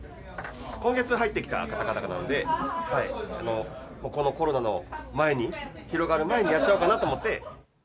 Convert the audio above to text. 今月入ってきた方々なので、このコロナの前に、広がる前にやっちゃおうかなと思って。